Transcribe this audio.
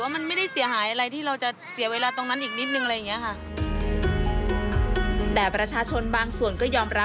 มันไม่ได้เสียหายอะไรที่เราจะเสียเวลาตรงนั้นอีกนิดนึงอะไรอย่างนี้ค่ะ